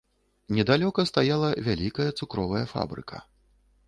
Недалёка стаяла вялікая цукровая фабрыка.